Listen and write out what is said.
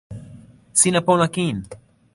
sina pona kin.